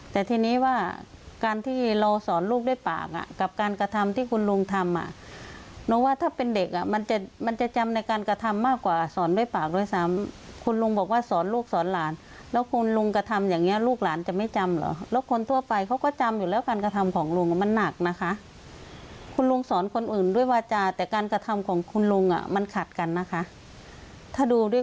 แต่ทีนี้ว่าการที่เราสอนลูกด้วยปากอ่ะกับการกระทำที่คุณลุงทำอ่ะน้องว่าถ้าเป็นเด็กอ่ะมันจะมันจะจำในการกระทำมากกว่าสอนด้วยปากด้วยซ้ำคุณลุงบอกว่าสอนลูกสอนหลานแล้วคุณลุงกระทำอย่างเงี้ลูกหลานจะไม่จำเหรอแล้วคนทั่วไปเขาก็จำอยู่แล้วการกระทำของลุงมันหนักนะคะคุณลุงสอนคนอื่นด้วยวาจาแต่การกระทำของคุณลุงอ่ะมันขัดกันนะคะถ้าดูด้วย